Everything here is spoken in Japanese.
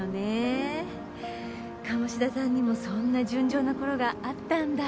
鴨志田さんにもそんな純情な頃があったんだ。